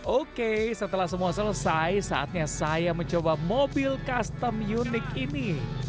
oke setelah semua selesai saatnya saya mencoba mobil custom unik ini